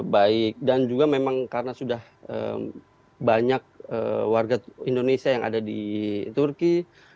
baik dan juga memang karena sudah banyak warga indonesia yang ada di turki